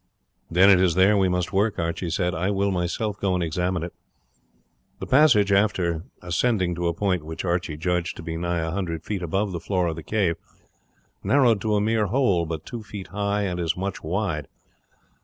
"Then it is there we must work," Archie said. "I will myself go and examine it." The passage, after ascending to a point which Archie judged to be nigh a hundred feet above the floor of the cave, narrowed to a mere hole, but two feet high and as much wide.